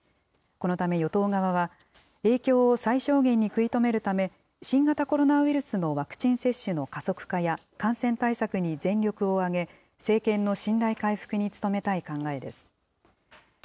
このため与党側は、影響を最小限に食い止めるため、新型コロナウイルスのワクチン接種の加速化や感染対策に全力を挙げ、政権の信頼回復に努めたい考えです。